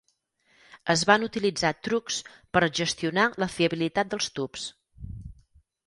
Es van utilitzar trucs per gestionar la fiabilitat dels tubs.